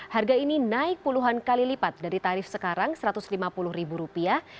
harga ini naik puluhan kali lipat dari tarif sekarang satu ratus lima puluh ribu rupiah